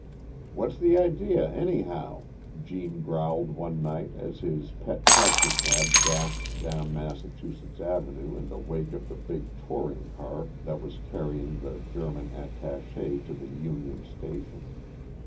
"What's the idea, anyhow?" Gene growled one night as his pet taxicab dashed down Massachusetts Avenue in the wake of the big touring car that was carrying the German attaché to the Union Station.